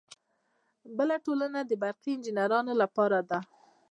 بله ټولنه د برقي انجینرانو لپاره ده.